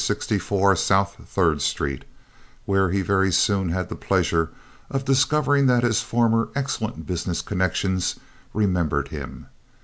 64 South Third Street, where he very soon had the pleasure of discovering that his former excellent business connections remembered him.